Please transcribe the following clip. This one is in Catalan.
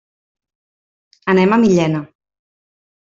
Anem a Millena.